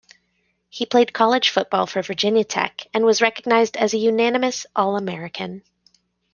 He played college football for Virginia Tech, and was recognized as a unanimous All-American.